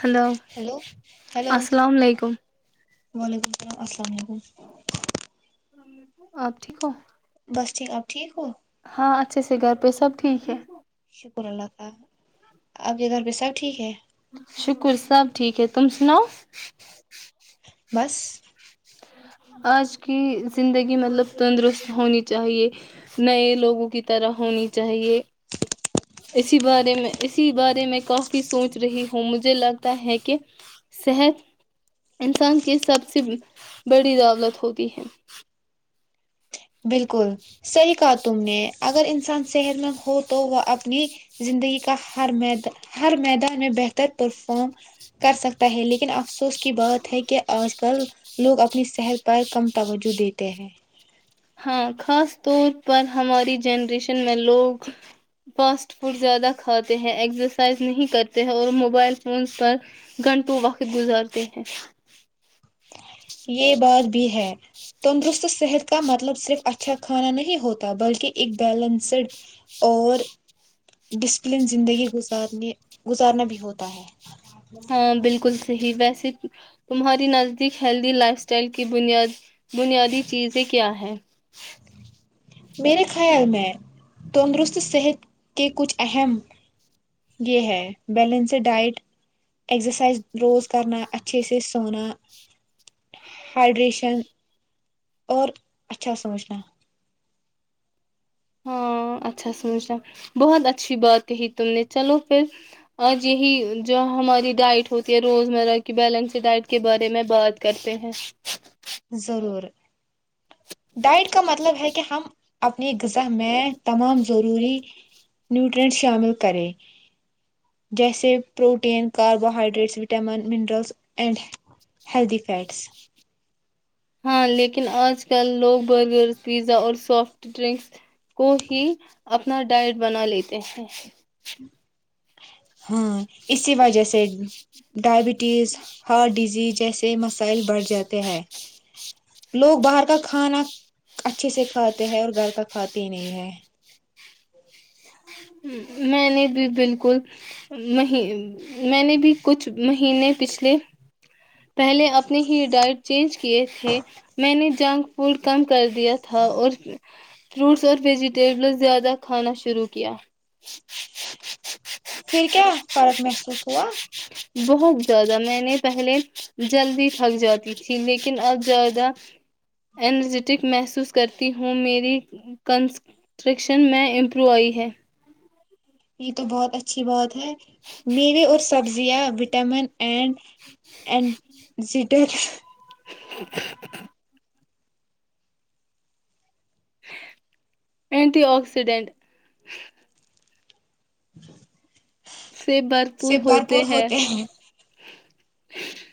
hello hello hello السلام علیکم وعلیکم السلام السلام علیکم آپ ٹھیک ہو بس ٹھیک ا ٹھیک ہو ہاں اچھے سے گھر پہ سب ٹھیک ہے شکر اللہ تال آپ کے گھر پہ سب ٹھیک ہے شکر صاب ٹھیک ہے تم سناؤ بس آج کی زندگی مطلب تندرست ہونی چاہیے نئے لوگوں کی طرح ہونی چاہیے اسی بارے میں اسی بارے میں کافی سوچ رہی ہوں مجھے لگتا ہے کہ صحت انسان کی سب سے بڑی دعوت ہوتی ہے بالکل صحیح کہات تم نے اگر انسان صحت مند ہو تو وہ اپنی زندگی کا ہر م ہر میدان میں بہتر پرفارم کر سکتا ہے لیکن افسوس کی بات ہے کہ آج کل لوگ اپنی صحت پر کم توجہ دیتے ہیں ہاں خاص طور پر ہماری جنریشن میں لوگ فاسٹ فوڈ زیادہ کھاتے ہیں ایکسرسائز نہیں کرتے ہیں اور موبائل فونس پر گھنٹوں وقت گزارتے ہیں یہ بات بھی ہے تندرست صحت کا مطلب صرف اچھا کھانا نہیں ہوتا بلکہ ایک بیلنسڈ اور ڈسپلن زندگی گزارنے گزارنا بھی ہوتا ہے ہاں بالکل صحی ویسے تمہاری نزدیک ہیلدی لائف اسٹائل کی بنیاد بنیادی چیزیں کیا ہیں میرے خیال میں تندرست صحت کے کچھ اہم یہ ہے بیلنس ڈائٹ ایکسرسائز روز کرنا اچھے سے سونا ہائڈریشن اور اچھا سوچنا کتا ہاں اچھا سموجچا بہت اچھی بات کہی تم نے چلو پھر آج یہی جو ہماری ڈائٹ ہوتی ہے روز مرہ کی بیلنس ڈائٹ کے بارے میں بات کرتے ہیں ضرور ڈائٹ کا مطلب ہے کہ ہم اپنی غذا میں تمام ضروری نیوٹرینٹ شامل کریں جیسے protein carbohydrates vitamin minerals and healthy fats ہاں لیکن آج کل لوگ برگر پیزا اور سافٹ ڈرنکس کو ہی اپنا ڈائٹ بنا لیتے ہیں ہاں اسی وجہ سے ڈائبٹیز ہارٹ ڈیزیز جیسے مسائل بڑھ جاتے ہیں لوگ باہر کا کھانا اچھے سے کھاتے ہیں اور گھر کا کھاتے ہی نہیں ہے میں نے بھی بالکل میں نے بھی کچھ مہینے پچھلے پہلے اپنے ہی ڈائٹ چینج کیے تھے میں نے جنک فوڈ کم کر دیا تھا اور فروٹس اور ویجیٹیبل زیادہ کھانا شروع کیا پھر کیا فرق محسوس ہوا بہت زیادہ میں نے پہلے جلدی تھک جاتی تھی لیکن اب زیادہ انرجیٹک محسوس کرتی ہوں میری کنسٹکشن میں امپرو آئی ہے یہ تو بہت اچھی بات ہے میرے اور سبزیاں وٹامن اینڈ اینزٹر [unintelligible] [unintelligible] اینٹی آکسیڈینٹ ج [unintelligible] سے بھرپور ہوتے ہیں [inaudible]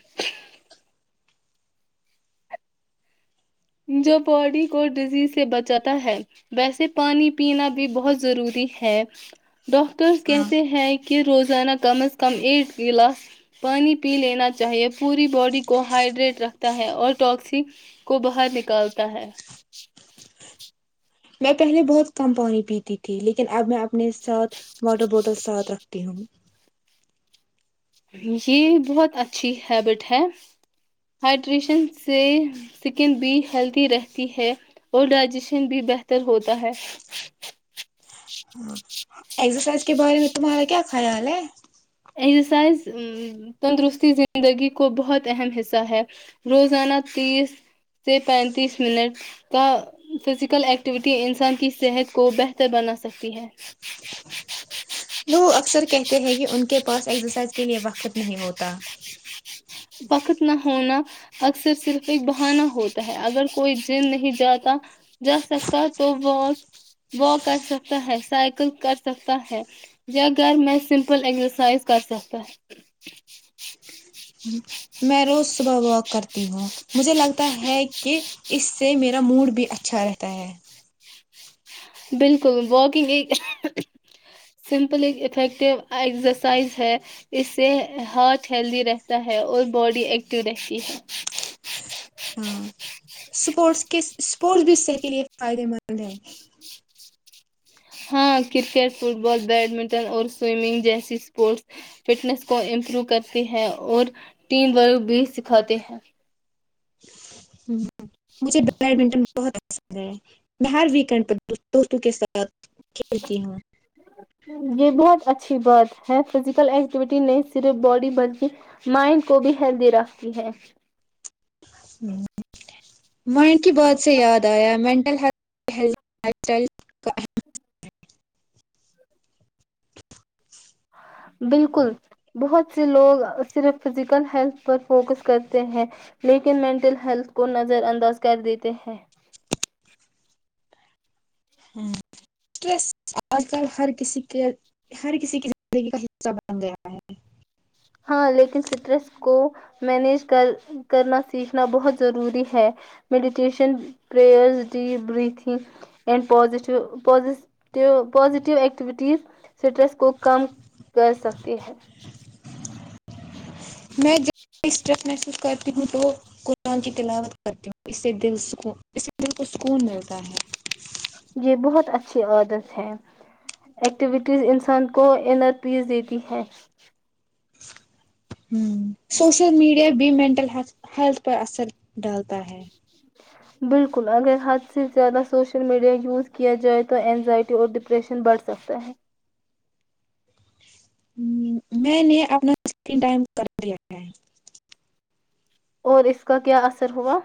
جو باڈی کو ڈزیز سے بچاتا ہے ویسے پانی پینا بھی بہت ضروری ہے ڈاکٹرس ہاں کیسے ہیں روزانہ کم از کم ایک گلاس پانی پی لینا چاہیے پوری باڈی کو ہائڈریٹ رکھتا ہے اور ٹواکسی کو باہت نکالتا ہے میں پہلے بہت کم پانی پیتی تھی لیکن اب میں اپنے ساتھ واٹر بوٹل ساتھ رکھتی ہوں یہ بہت اچھی ہیبٹ ہے ہائڈریشن سے سکن بھی ہیلدی رہتی ہے اور ڈائجیشن بھی بہتر ہوتا ہے ایکسرسائز کے بارے میں تمہارا کیا خیال ہے ایکزرسائز تندرستی زندگی کو بہت اہم حصہ ہے روزانہ تیس سے پینتیس منٹ کا فزیکل ایکٹیویٹی انسان کی صحت کو بہتر بنا سکتی ہے وہ اکثر کہتے ہیں کہ ان کے پاس ایگزرسائز کے لیے وقت نہیں ہوتا وقت نہ ہونا اکثر صرف ایک بہانا ہوتا ہے اگر کوئی جم نہیں جاتا جا سکتا تو و واک کر سکتا ہے سائیکل کر سکتا ہے یا گھر میں سمپل ایکسرسائز کر سکتا ہے میںیروز واک کرتی ہوں مجھے لگتا ہے کہ اس سے میرا ا موڈ بھی اچھا رہتا ہے بالکل واکنگ ایک سمپل ایک افیکٹیو ایکسرسائز ہے اس سے ہارھ ہیلدی رہتا ہے اور باڈی ایکٹو رہتی ہے ہاں سپورٹس کس اسپورٹس بھی حصح کے لیئے فائدے مند ہیں ہاں کرکٹ فٹ بال بیڈمنٹن اور سوئمنگ جیسی اسپورٹس فٹنس کو امپروو کرتے ہیں اور ٹیم ورک بھی سکھاتے ہیں ہوں [unintelligible] مجھے بیڈمنٹن بہت اچھا ہے میں ہر ویکینڈ پر دوستوں کے ساتھ کھیلتی ہوں یہ بہت ا اچھی بات ہے فزیکل ایکٹیویٹی نہیں صرف باڈی بلکہ مائنڈ کو بھی ہیلدی رکھتی ہے ون کی بات سے یاد آیا وین [unintelligible] بالکل بہت سے لوگ صرف فزیکل ہیلتھ پر فوکس کرتے ہیں لیکن مینٹل ہیلتھ کو نظر انداز کر دیتے ہیں سٹرس آج کل ہر کسی کے ہر کسی کی زندگی کا حصہ بن گیا ہے [unintelligible] ہاں لیکن اسٹریس کو مینیج کر کرنا سیکھنا بہت ضروری ہے meditation پئرز deep breathing and positive پو پازیٹیو ایکٹیویٹیز اسٹریس کو کم کر سکتی ہے [unintelligible] میں جو اسٹریس محسوس کرتے ہ تو قرآن کی تلاوت کرتی ہوں اس سے دل سکون اس سے دل کو سکون ملتا ہے یہ بہت اچھی عادت ہے ایکٹیویٹیز انسان کو انرجی دیتی ہے ہ سوشل میڈیا بھی مینٹل ہیلتھ پر اثر ڈالتا ہے بالکل اگر حد سے زیادہ سوشل میڈیا یوز کیا جائے تو انینزائٹی اور ڈپریشن بڑھ سکتا ہے میں نے اپنا اسکرین ٹائم کر لیا ہے اور اس کا کیا اثر ہوا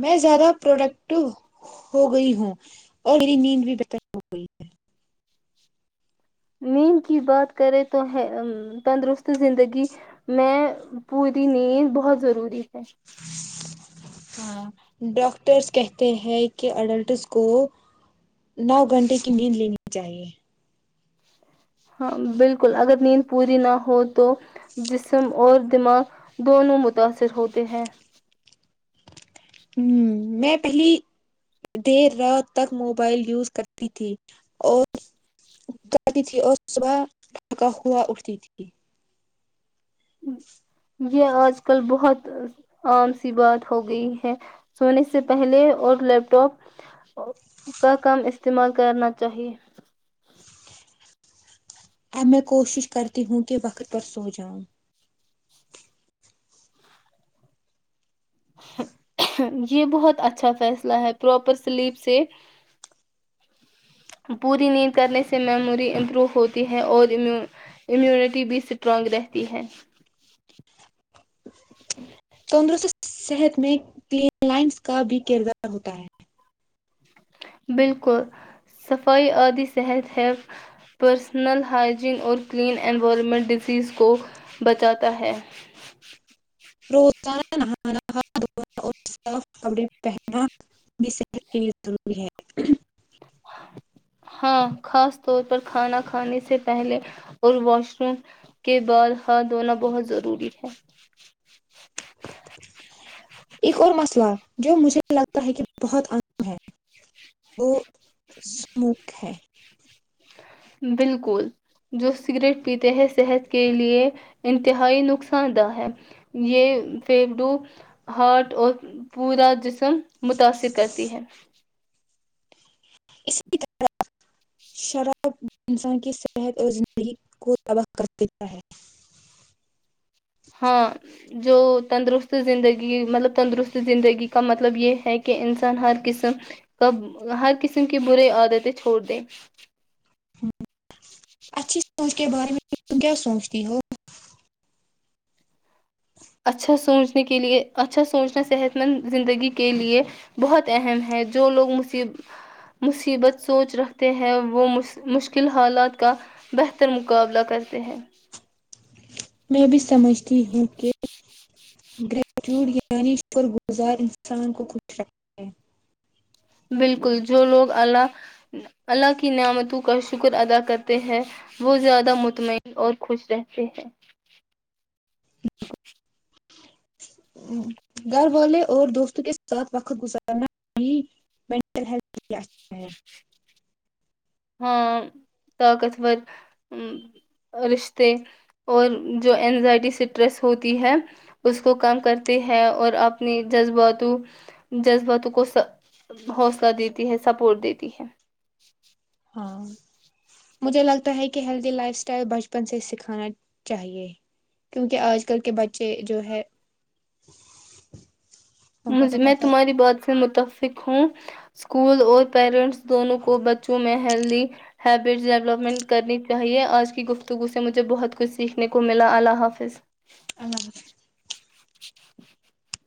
میں زیادہ پروڈکٹو ہو گئی ہوں اور میری نیند بھی بہتر ہو گئی ہے نیند کی بات کریں تو ہے تندرست زندگی میں پوری نیند بہت ضروری ہچ [unintelligible] ہاں ڈاکٹرس کہتے ہیں کہ اڈلٹس کو نو گھنٹے کی نیند لینی چاہیے [unintelligible] ہاں بالکل اگر نیند پوری نہ ہو تو جسم اور دماغ دونوں متاثر ہوتے ہیں ہ میں پہلی دیر رات تک موبائل یوز کرتی تھی اور اٹ جاتی تھی اور صبح کا ہووا اٹھتی تھی یہ آج کل بہت عام سی بات ہو گئی ہے سونے سے پہلے اور لیپ ٹاپ کا کم استعمال کرنا چاہیے اب میں کوشش کرتی ہوں کہ وقت پر سو جاؤں یہ بہت اچھا فیصلہ ہے پراپر سلیپ سے پوری نیند کرنے سے میموری امپروو ہوتی ہے اور امیونٹی بھی اسٹرانگ رہتی ہے [unintelligible] تندرست صحت میں کلین لائنز کا بھی کردار ہوتا ہے بالکل صفائی آدی صحت ہے پرسنل ہائجین اور کلین انوائرمنٹ ڈزیز کو بچاتا ہے روزانہ نہانا کاتھ دھوا اور صاف کپڑے پہننا بھی صحت کے لیے ضروری ہے ہاں خاص طور پر کھانا کھانے سے پہلے اور واش روم کے بعد ہاتھ دھونا بہت ضروری ہے یہ کر مسلہ [unintelligible] جو مجھے لگتا ہے کہ بہت‌ عام ہے وہ سموک ہے بالکل جو سگریٹ پیتے ہیں صحت کےلئے انتہائی نقصان دہ ہے یہ فیڑو ہارٹ اور پورا جسم متاثر کرتی ہے اسی طرح شراب انسان کی صحت اور زندگی کو تباہ کر دیتا ہے ہاں [unintelligible] جو تندرست زندگی مطلب تندرست زندگی کا مطلب یہ ہے کہ انسان ہر قسم کا ہر قسم کی بررے عادتیں چھوڑ دے ہوں [unintelligible] اچھی سوچ [unintelligible] کے بارے میں تم کیا سوچتی ہو [unintelligible] اچھا سوچنے کے لیے ا عن چھا سوچنا صحت مند زندگی کے لے بہت اہم ہے جو لوگ مصیب مصیبت سوچ رکھتے ہیں وہ مشکل حالات کا بہتر مقابلہ کرتے ہیں میں بھی سمجھتی ہوں کہ گریٹیٹیوڈ یعنی شکر گزار انسان کو خوش رکھتے ہے بالکل جو لوگ اللہ اللہ کی نعمتوں کا شکر ادا کرتے ہیں وہ زیادہ مطمئن اور خوش رہتے ہیں گھر والے اور دوستوں کے ساتھ وقت گزارنا بھی منٹل ہیلھ ہے ہاں طاقتور رشتے اور جو اینزائٹی سٹریس ہوتی ہے اس کو کم کرتی ہے اور اپنی جذباتوں جذباتوں کو حوصلہ دیتی ہے سپورٹ دیتی ہے ٹ ہاں مجھے لگتا ہے کہ ہیلدی لائف اسٹائل بچپن سے سکھانا چاہیے کیونکہ آج کل کے بچے جو ہے ان کا مجھ تو میں پتہ ہی تمہاری ہے بات سے متف سکھوں اسکول اور پیرنٹس دونوں کو بچوں میں ہیلدی ہیبٹس ڈیولپمنٹ کرنی چاہیے آج کی گفتگو سے مجھے بہت کچھ سیکھنے کو ملا اللہ حافظ ہ [unintelligible] [inaudible]